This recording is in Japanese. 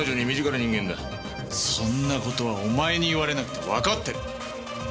そんな事はお前に言われなくてもわかってる！